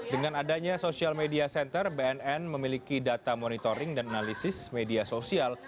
dengan adanya social media center bnn memiliki data monitoring dan analisis media sosial